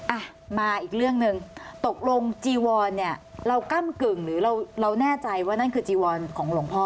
อ่ะมาอีกเรื่องหนึ่งตกลงจีวอนเนี่ยเราก้ำกึ่งหรือเราเราแน่ใจว่านั่นคือจีวรของหลวงพ่อ